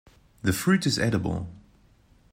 The fruit is edible.